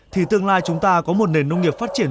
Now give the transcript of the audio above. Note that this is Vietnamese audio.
thì tương lai chúng ta có một nền nông nghiệp phát triển